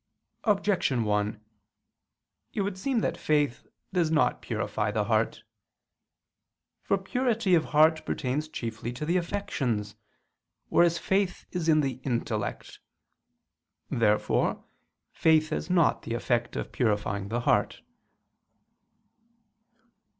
Objection 1: It would seem that faith does not purify the heart. For purity of the heart pertains chiefly to the affections, whereas faith is in the intellect. Therefore faith has not the effect of purifying the heart.